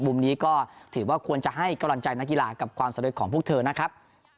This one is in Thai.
มุมนี้ก็ถือว่าควรจะให้กำลังใจนักกีฬากับความสำเร็จของพวกเธอนะครับ